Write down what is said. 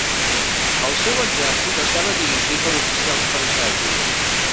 El seu exèrcit estava dirigit per oficials francesos.